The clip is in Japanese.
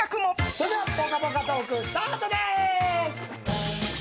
それでは、ぽかぽかトークスタートです！